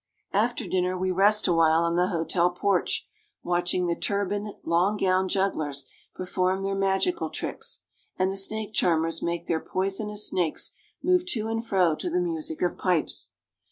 After dinner we rest awhile on the hotel porch, watch ing the turbaned, long gowned jugglers perform their magical tricks, and the snake charmers make their poi sonous snakes move to and fro to the music of pipes.